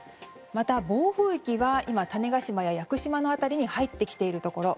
また暴風域は今、種子島や屋久島の辺りに入ってきているところ。